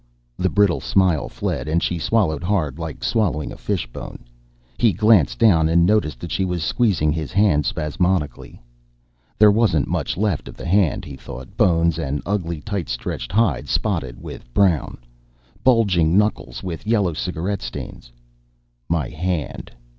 The brittle smile fled and she swallowed hard, like swallowing a fish bone. He glanced down, and noticed that she was squeezing his hand spasmodically. There wasn't much left of the hand, he thought. Bones and ugly tight stretched hide spotted with brown. Bulging knuckles with yellow cigaret stains. My hand.